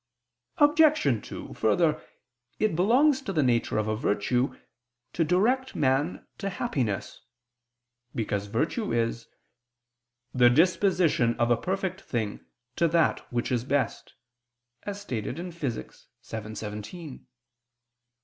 Obj. 2: Further, it belongs to the nature of virtue to direct man to happiness: because virtue is "the disposition of a perfect thing to that which is best," as stated in Phys. vii, text. 17.